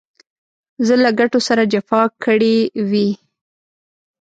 زه له ګټو سره جفا کړې وي.